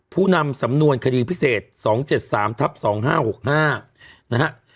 ผู้นำสำนวนคดีพิเศษ๒๗๓ทับ๒๕๖๕นะฮะ